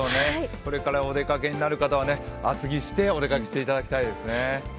これからお出かけになる方は、厚着してお出かけしていただきたいですね。